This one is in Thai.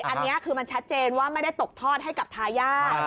อันนี้คือมันชัดเจนว่าไม่ได้ตกทอดให้กับทายาท